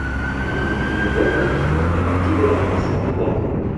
La commune de Baurech fait partie de l'arrondissement de Bordeaux.